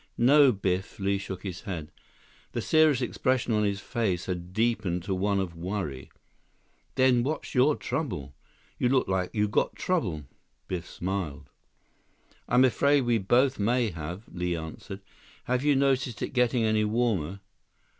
"No, Biff," Li shook his head. The serious expression on his face had deepened to one of worry. "Then what's your trouble? You look like you got trouble." Biff smiled. "I'm afraid we both may have," Li answered. "Have you noticed it getting any warmer?"